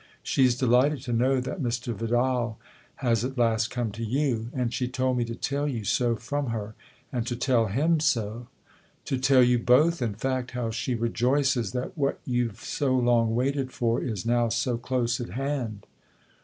She's delighted to know that Mr. Vidal has at last come to you, and she told me to tell you so from her, and to tell him so to tell you both, in fact, how she rejoices that what you've so long waited for is now so close at hand."